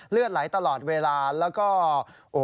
เลือดไหลตลอดเวลาแล้วก็โอ้โห